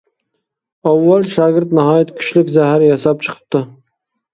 ئاۋۋال شاگىرت ناھايىتى كۈچلۈك زەھەر ياساپ چىقىپتۇ.